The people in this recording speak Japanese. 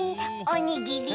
おにぎり。